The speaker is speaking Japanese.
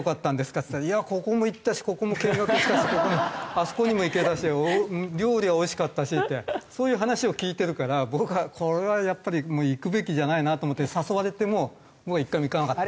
っつったら「ここも行ったしここも見学したしあそこにも行けたし料理はおいしかったし」ってそういう話を聞いてるから僕はこれはやっぱり行くべきじゃないなと思って誘われても僕は１回も行かなかった。